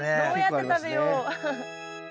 どうやって食べよう。